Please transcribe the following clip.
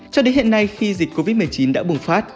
cho đến hiện nay khi dịch covid một mươi chín đã bùng phát